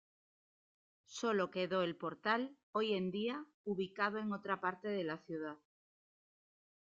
Sólo quedó el portal hoy en día ubicado en otra parte de la ciudad.